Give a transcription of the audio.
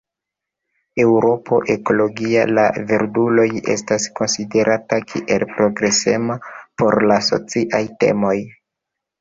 Eŭropo Ekologio La Verduloj estas konsiderata kiel progresema por la sociaj temoj.